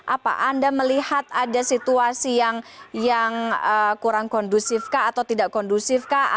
apa anda melihat ada situasi yang kurang kondusif kah atau tidak kondusif kah